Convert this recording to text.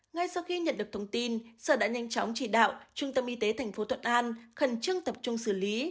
ngay sau khi nhận được thông tin sở đã nhanh chóng chỉ đạo trung tâm y tế thành phố tuận an khẩn trương tập trung xử lý